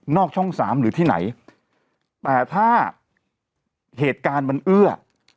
ช่องสามหรือที่ไหนแต่ถ้าเหตุการณ์มันเอื้อ